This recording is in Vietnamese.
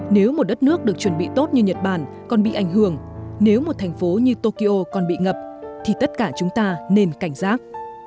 nếu một thành phố chống đỡ trước những cơn bão và các cơn mưa lớn tất cả chúng ta nên cảnh giác